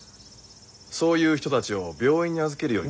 そういう人たちを病院に預けるよりも。